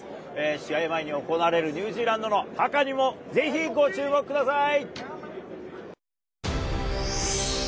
試合前に行われるニュージーランドのハカにもぜひご注目ください。